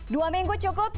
dua minggu cukup